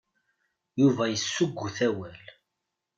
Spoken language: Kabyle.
Yuba yessuggut awal.